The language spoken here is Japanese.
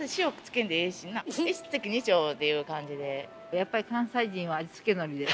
やっぱり関西人は味付けのりです。